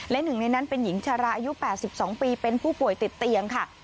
และหนึ่งในนั้นเป็นหญิงชาราอายุ๘๒ปีเป็นผู้ป่วยติดเตียงค่ะ